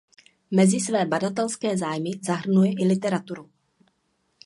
Mezi své badatelské zájmy zahrnuje i literaturu.